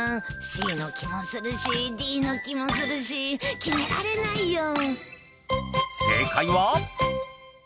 Ｃの気もするしＤの気もするし決められないよ。